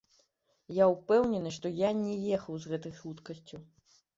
Я упэўнены, што я не ехаў з гэтай хуткасцю.